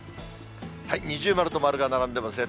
二重丸と丸が並んでますね。